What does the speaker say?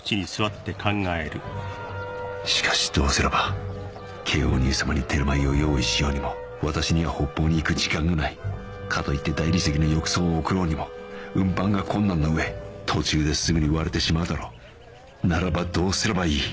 しかしどうすればケイオニウス様にテルマエを用意しようにも私には北方に行く時間がないかといって大理石の浴槽を送ろうにも運搬が困難な上途中ですぐに割れてしまうだろうならばどうすればいい？